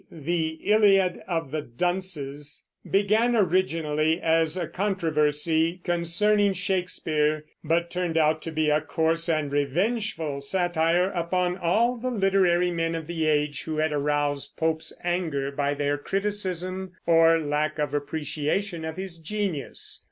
the "Iliad of the Dunces") began originally as a controversy concerning Shakespeare, but turned out to be a coarse and revengeful satire upon all the literary men of the age who had aroused Pope's anger by their criticism or lack of appreciation of his genius.